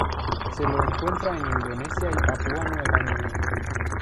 Se lo encuentra en Indonesia y Papúa Nueva Guinea.